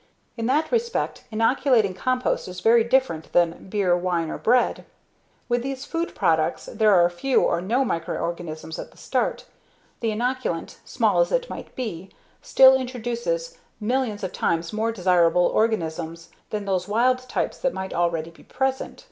In that respect, inoculating compost is very different than beer, wine, or bread. With these food products there are few or no microorganisms at the start. The inoculant, small as it might be, still introduces millions of times more desirable organisms than those wild types that might already be present.